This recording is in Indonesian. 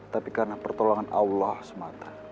tapi karena pertolongan allah semata